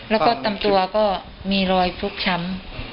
แล้วก็ตำตัวก็มีรอยพลุขช้ำ